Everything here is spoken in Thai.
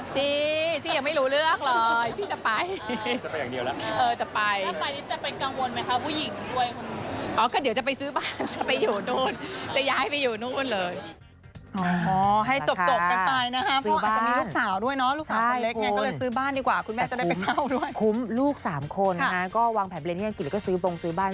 ซี่ยังไม่รู้เลือกเลยซี่จะไป